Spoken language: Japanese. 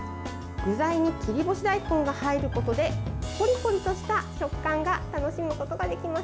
具材に切り干し大根が入ることでコリコリとした食感が楽しむことができますよ。